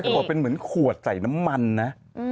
บอกเป็นเหมือนขวดใส่น้ำมันนะ